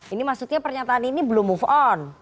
ini maksudnya pernyataan ini belum move on